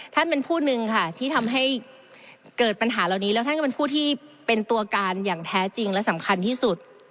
ท่านเป็นผู้หนึ่งค่ะที่ทำให้เกิดปัญหาเหล่านี้แล้วท่านก็เป็นผู้ที่เป็นตัวการอย่างแท้จริงและสำคัญที่สุด